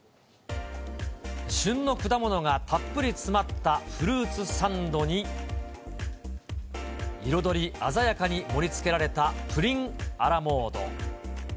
旬の果物がたっぷり詰まったフルーツサンドに、彩り鮮やかに盛りつけられたプリンア・ラモード。